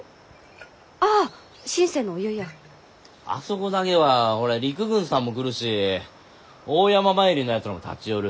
あそこだけはほら陸軍さんも来るし大山参りのやつらも立ち寄る。